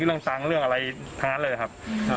เรื่องตังค์อะไรทั้งนั้นเลยครับ